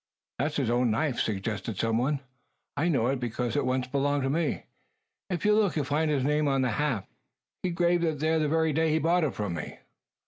"That's his own knife," suggested some one. "I know it; because it once belonged to me. If you look you'll find his name on the haft. He graved it there the very day he bought it from me."